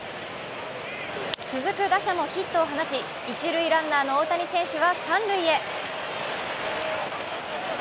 続く打者もヒットを放ち一塁ランナーの大谷選手は三塁へ。